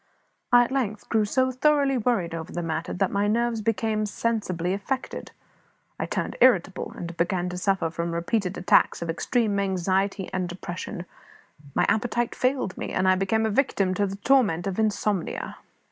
I at length grew so thoroughly worried over the matter that my nerves became sensibly affected; I turned irritable, and began to suffer from repeated attacks of extreme anxiety and depression; my appetite failed me, and I became a victim to the torment of insomnia.